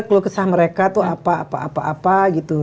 keluh kesah mereka tuh apa apa gitu